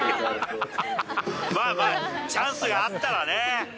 まあまあ、チャンスがあったらね。